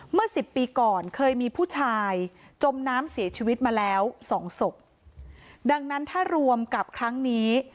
เมื่อสิบปีก่อนเคยมีผู้ชายจมน้ำเสียชีวิตมาแล้วสองศพดังนั้นถ้ารวมกับครั้งนี้